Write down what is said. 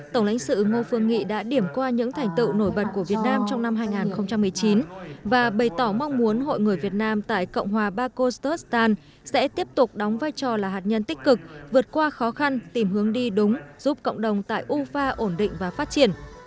tổng lãnh sự ngô phương nghị đã điểm qua những thành tựu nổi bật của việt nam trong năm hai nghìn một mươi chín và bày tỏ mong muốn hội người việt nam tại cộng hòa barcottostan sẽ tiếp tục đóng vai trò là hạt nhân tích cực vượt qua khó khăn tìm hướng đi đúng giúp cộng đồng tại ufa ổn định và phát triển